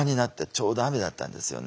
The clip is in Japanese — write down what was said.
ちょうど雨だったんですよね。